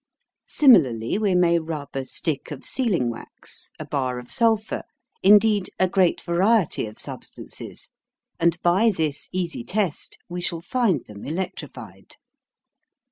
Similarly we may rub a stick of sealing wax, a bar of sulphur, indeed, a great variety of substances, and by this easy test we shall find them electrified.